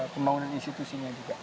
pembangunan institusinya juga